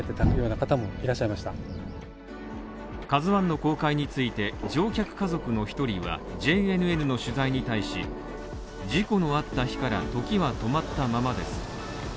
「ＫＡＺＵ１」の公開について、乗客家族の１人はＪＮＮの取材に対し事故のあった日からときは止まったままです。